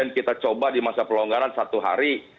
kita coba di masa pelonggaran satu hari